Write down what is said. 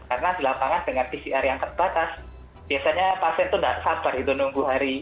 karena di lapangan dengan pcr yang terbatas biasanya pasien itu tidak sabar itu menunggu hari